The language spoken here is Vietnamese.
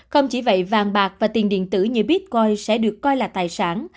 không chỉ vậy vàng bạc và tiền điện tử như bitcoin sẽ được coi là tài sản